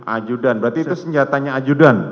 ajudan berarti itu senjatanya ajudan